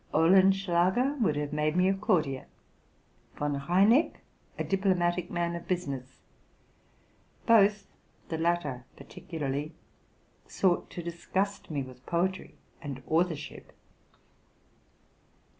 Olenschlager would have made me a courtier, Von Reineck a diplomatic man of business: both, the latter particularly, sought to disgust me with poetry and authorship.